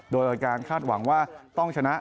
โดยการคาดหวังว่าต้องชนะ